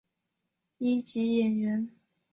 一级演员。